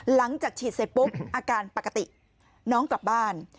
หลังจากฉีดเสร็จปุ๊บอาการปกติน้องกลับบ้าน